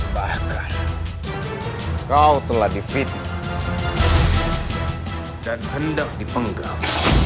bahkan kau telah di fitri dan hendak dipenggal